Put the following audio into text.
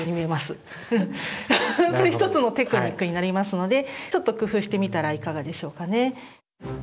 フフッそれ一つのテクニックになりますのでちょっと工夫してみたらいかがでしょうかね。